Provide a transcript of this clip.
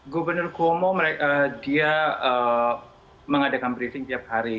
gubernur kuomo dia mengadakan briefing tiap hari